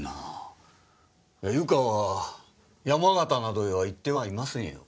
ゆかは山形などへは行ってはいませんよ。